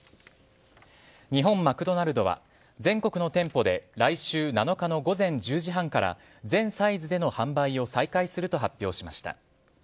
日本マクドナルドは全国の店舗で来週７日の午前１０時半から全サイズでの販売を再開すると発表しました。